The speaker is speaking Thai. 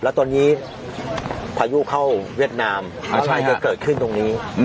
แล้วตอนนี้พายุเข้าเวียดนามไม่ใช่จะเกิดขึ้นตรงนี้